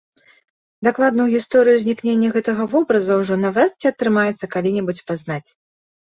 Дакладную гісторыю ўзнікнення гэтага вобраза ўжо наўрад ці атрымаецца калі-небудзь пазнаць.